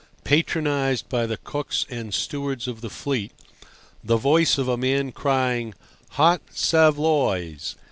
patronized by the cooks and stewards of the fleet, the voice of a man crying "Hot saveloys!"